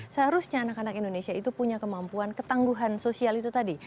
seharusnya anak anak indonesia itu punya kemampuan ketangguhan sosial itu tadi